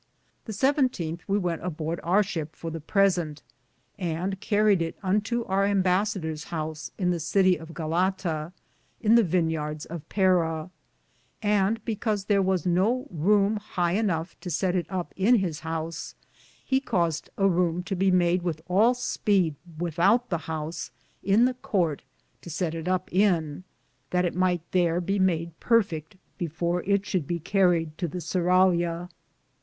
The 17th we wente aborde our ship for the presente, and carried it to our imbassaders house in the Cittie of Gallata, in the vines^ of Peara^; and because there was no roome heie enoughe to sett it up in his house, he caused a roome to be made with all speed withoute the house in the courte, to sett it up in, that it myghte there be made perfitt before it should be carried to the surralia.